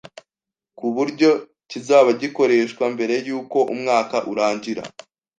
ku buryo kizaba gikoreshwa mbere y’uko umwaka urangira